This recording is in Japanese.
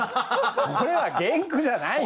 これは原句じゃないの！